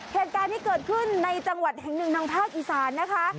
เหตุการณ์ที่เกิดขึ้นในจังหวัดแห่งหนึ่งทางภาคอีสานนะคะ